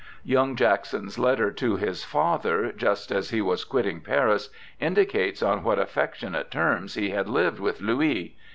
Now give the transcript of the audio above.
Young Jackson's letter to his father, just as he was quitting Paris, indicates on what affectionate terms he had lived with Louis.